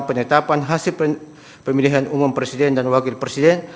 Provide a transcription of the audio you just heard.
penetapan hasil pemilihan umum presiden dan wakil presiden